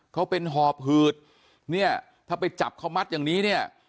เขาเป็นหอบหืดเนี่ยถ้าไปจับเขามัดอย่างนี้เนี่ย